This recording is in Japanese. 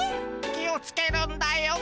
気をつけるんだよ。